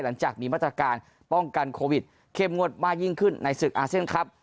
หลังจากมีมาตรการป้องกันโควิดเข้มงวดมากยิ่งขึ้นในศึกอาเซียนครับ